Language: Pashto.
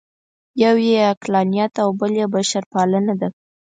یو یې عقلانیت او بل یې بشرپالنه ده.